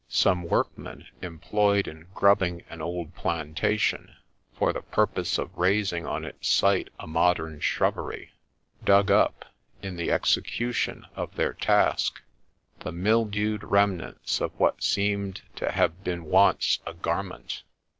Some workmen employed in grubbing an old plantation, for the purpose of raising on its site a modern shrubbery, dug up, in the execution of their task, the mildewed remnants of what seemed to have been once a garment.